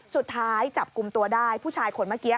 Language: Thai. สุดท้ายจับกลุ่มตัวได้ผู้ชายคนเมื่อกี้